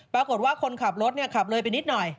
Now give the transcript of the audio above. ปรากฏว่าคนขับรถขับเลยไปนิดหน่อย